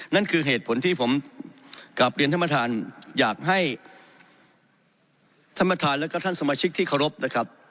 นั่นคือเหตุผลที่ผมกลับเรียนท่านประธานอยากให้ท่านประธานและก็ท่านสมาชิกที่เคารพนะครับ